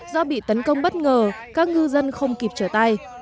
do bị tấn công bất ngờ các ngư dân không kịp trở tay